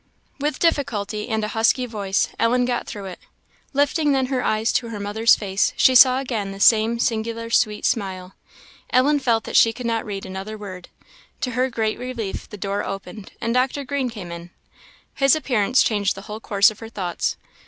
With difficulty, and a husky voice, Ellen got through it. Lifting then her eyes to her mother's face, she saw again the same singular sweet smile. Ellen felt that she could not read another word; to her great relief the door opened, and Dr. Green came in. His appearance changed the whole course of her thoughts.